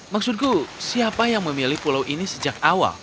maksudku siapa yang memilih pulau ini sejak awal